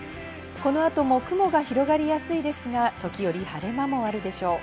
この後も雲が広がりやすいですが、時折晴れ間もあるでしょう。